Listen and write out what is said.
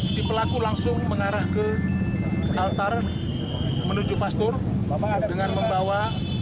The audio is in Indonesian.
si pelaku langsung mengarah ke altar menuju pastor dengan membawa